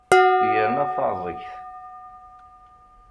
Yerna taεẓegt!